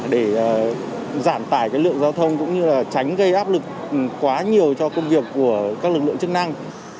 để giảm tải lượng giao thông cũng như là tránh gây áp lực quá nhiều cho công việc của các lực lượng chức năng